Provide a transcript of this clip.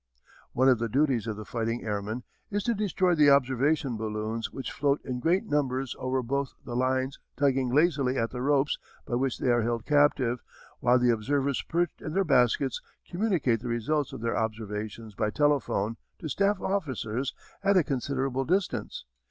] One of the duties of the fighting airmen is to destroy the observation balloons which float in great numbers over both the lines tugging lazily at the ropes by which they are held captive while the observers perched in their baskets communicate the results of their observations by telephone to staff officers at a considerable distance.